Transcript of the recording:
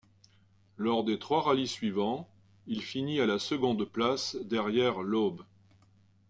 Lors des trois rallyes suivants, il finit à la seconde place derrière Loeb.